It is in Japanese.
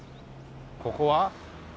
ここは？